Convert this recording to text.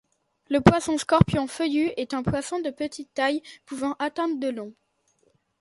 Le Poisson-scorpion feuillu est un poisson de petite taille pouvant atteindre de long.